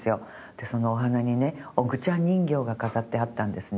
でそのお花にねＯＧＵちゃん人形が飾ってあったんですね。